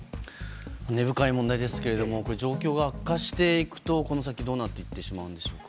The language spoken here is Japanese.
根深い問題ですが状況が悪化していくとこの先、どうなっていってしまうんでしょうか。